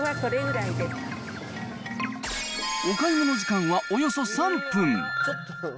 お買い物時間はおよそ３分。